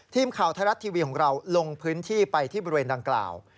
ทีมข่าวไทยรัฐทีวีของเราลงพื้นที่ไปที่บริเวณดังกล่าว